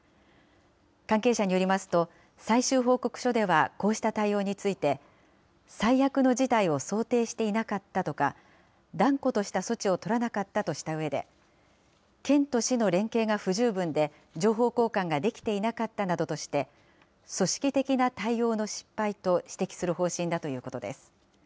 関係者によりますと、最終報告書ではこうした対応について、最悪の事態を想定していなかったとか、断固とした措置を取らなかったとしたうえで、県と市の連携が不十分で、情報交換ができていなかったなどとして、組織的な対応の失敗と指摘する方針だということです。